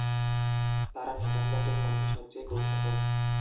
তারা নেদারল্যান্ডের মধ্যে সবচেয়ে কুখ্যাত।